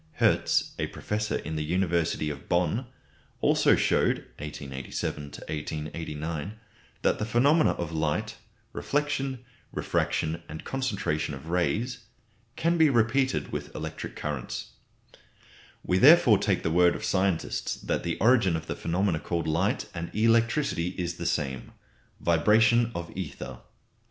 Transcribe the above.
Hertz, a professor in the university of Bonn, also showed (1887 1889) that the phenomena of light reflection, refraction, and concentration of rays can be repeated with electric currents. We therefore take the word of scientists that the origin of the phenomena called light and electricity is the same vibration of ether.